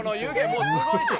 もうすごいでしょ。